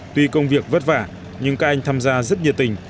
tuy công việc vất vả nhưng các anh tham gia rất nhiệt tình